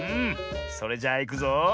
それじゃあいくぞ。